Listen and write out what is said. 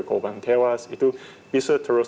korban tewas itu bisa terus